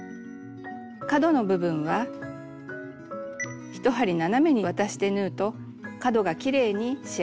角の部分は１針斜めに渡して縫うと角がきれいに仕上がります。